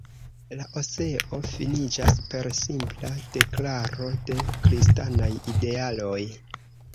La eseo finiĝas per simpla deklaro de kristanaj idealoj.